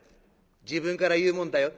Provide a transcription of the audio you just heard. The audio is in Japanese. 「自分から言うもんだよ」。